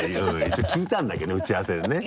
一応聞いたんだけど打ち合わせでね。